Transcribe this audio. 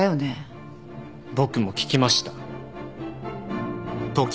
僕も聞きました。